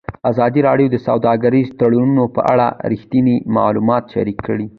ازادي راډیو د سوداګریز تړونونه په اړه رښتیني معلومات شریک کړي.